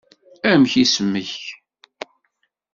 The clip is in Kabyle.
Amek isem-k?